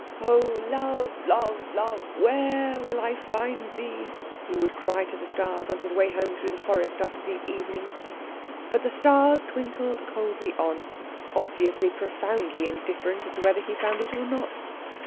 "Oh, Love, Love, Love, where shall I find thee?" he would cry to the stars on his way home through the forest after these evenings; but the stars twinkled coldly on, obviously profoundly indifferent as to whether he found it or not.